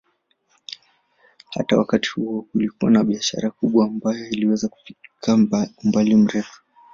Hata wakati huo kulikuwa na biashara kubwa ambayo iliweza kufikia umbali mrefu.